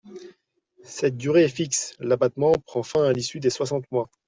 Cette durée est fixe : l’abattement prend fin à l’issue des soixante mois.